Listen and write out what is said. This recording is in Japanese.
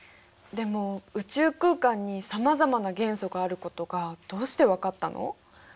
でも宇宙空間にさまざまな元素があることがどうしてわかったの？